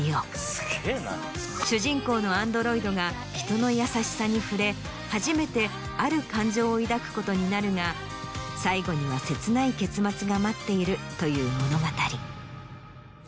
主人公のアンドロイドが人の優しさに触れ初めてある感情を抱くことになるが最後には切ない結末が待っているという物語。